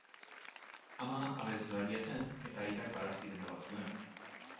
Ama abeslaria zen eta aitak barazki denda bat zuen.